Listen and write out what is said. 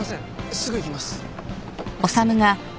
すぐ行きます。